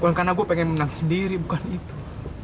bukan karena gue pengen menang sendiri bukan itu